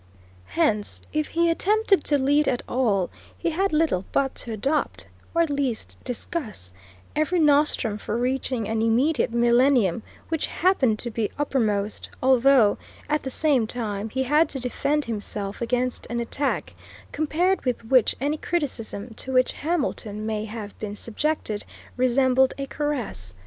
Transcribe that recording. Hence, if he attempted to lead at all, he had little choice but to adopt, or at least discuss, every nostrum for reaching an immediate millennium which happened to be uppermost; although, at the same time, he had to defend himself against an attack compared with which any criticism to which Hamilton may have been subjected resembled a caress.